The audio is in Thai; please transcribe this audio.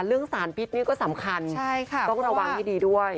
เรื่องสารพิษนี่ก็สำคัญต้องระวังให้ดีด้วย